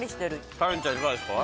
カレンちゃんいかがですか？